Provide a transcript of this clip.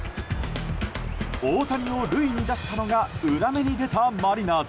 大谷を塁に出したのが裏目に出たマリナーズ。